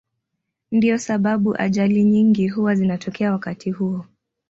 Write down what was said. Ndiyo sababu ajali nyingi huwa zinatokea wakati huo.